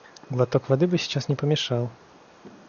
Глоток воды бы сейчас не помешал.